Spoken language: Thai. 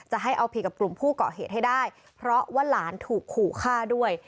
ให้เอาผิดกับกลุ่มผู้เกาะเหตุให้ได้เพราะว่าหลานถูกขู่ฆ่าด้วย